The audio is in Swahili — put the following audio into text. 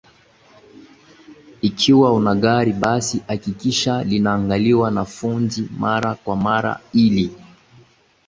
ikiwa una gari basi hakikisha linaangaliwa na fundi mara kwa mara ili